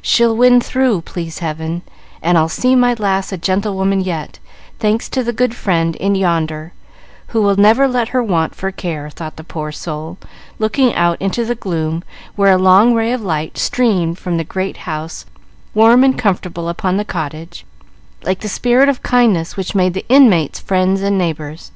"She'll win through, please Heaven, and I'll see my lass a gentlewoman yet, thanks to the good friend in yonder, who will never let her want for care," thought the poor soul, looking out into the gloom where a long ray of light streamed from the great house warm and comfortable upon the cottage, like the spirit of kindness which made the inmates friends and neighbors.